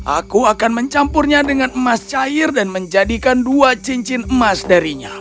aku akan mencampurnya dengan emas cair dan menjadikan dua cincin emas darinya